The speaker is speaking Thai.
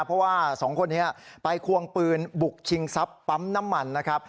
เพราะว่าสองคนนี้ไปควงปืนบุกชิงทรัพย์ปั๊มน้ำมันนะครับ